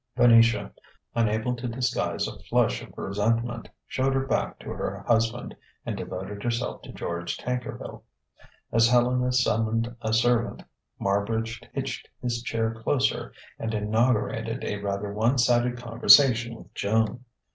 Venetia, unable to disguise a flush of resentment, showed her back to her husband and devoted herself to George Tankerville. As Helena summoned a servant, Marbridge hitched his chair closer and inaugurated a rather one sided conversation with Joan.